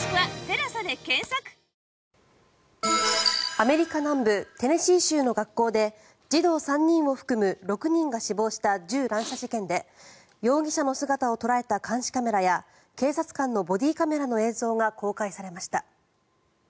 アメリカ南部テネシー州の学校で児童３人を含む６人が死亡した銃乱射事件で容疑者の姿を捉えた監視カメラや警察官のボディーカメラの映像が公開されました。